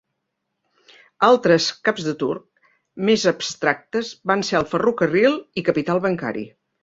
Altres "caps de turc" més abstractes van ser el ferrocarril i capital bancari.